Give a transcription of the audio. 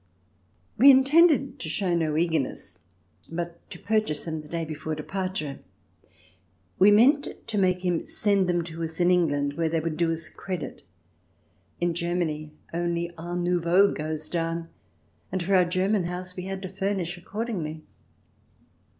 We intended to show no eagerness, but to purchase them the day before departure. We meant to make him send them to us in England, where they would do us credit. In Germany only art nouveau goes down, and for our German house we had to furnish accordingly.